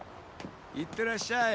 ・いってらっしゃい。